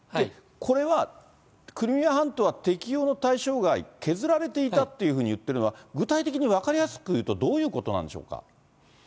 これはクリミア半島は適用の対象外、削られていたって言ってるのは、具体的に分かりやすくいうと、どういうことなんでしょうか。